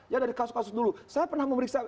ya dari kasus kasus dulu saya pernah memeriksa